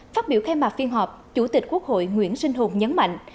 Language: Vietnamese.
phát biểu khai mạc phiên họp chủ tịch quốc hội nguyễn sinh hùng nhấn mạnh